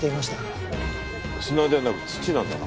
砂ではなく土なんだな？